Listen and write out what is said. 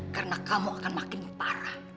karena kamu akan makin parah